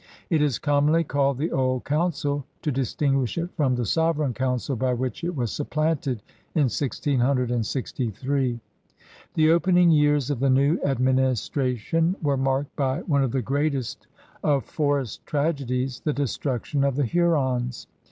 It is commonly called the Old Coun cil to distinguish it from the Sovereign Council by which it was supplanted in 1663. The opening years of the new administration were marked by one of the greatest of forest tragedies, the destruction of the Hurons.